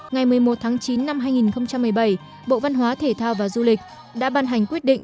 ngày một mươi một tháng chín năm hai nghìn một mươi bảy bộ văn hóa thể thao và du lịch đã ban hành quyết định